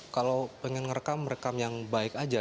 kalau pengen rekam rekam yang baik aja